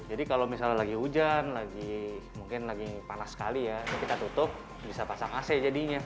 jadi kalau misalnya lagi hujan lagi panas sekali ya kita tutup bisa pasang ac jadinya